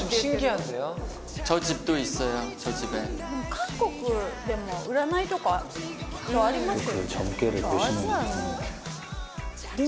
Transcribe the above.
韓国でも占いとかきっとありますよね。